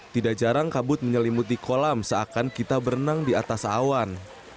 tidak jarang kabut menyelimuti kolam seakan kita berenang di atas awan